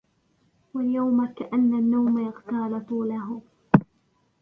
ويوم كأن النوم يغتال طوله